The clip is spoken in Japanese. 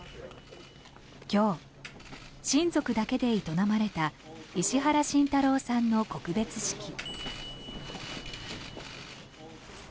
今日、親族だけで営まれた石原慎太郎さんの告別式。